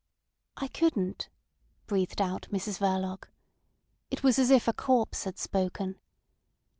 "I couldn't," breathed out Mrs Verloc. It was as if a corpse had spoken.